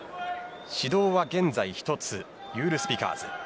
指導は現在１つユール・スピカーズ。